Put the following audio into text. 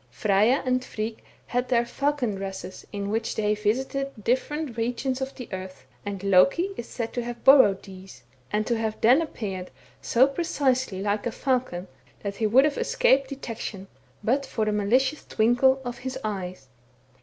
Frejja and Frigg had their falcon dresses in which they visited different regions of the earth, and Loki is said to have borrowed these, and to have then appeared so precisely like a falcon, that he would have escaped detection, but for the malicious twinkle of his eyes.